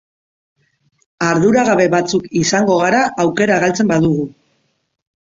Arduragabe batzuk izango gara aukera galtzen badugu.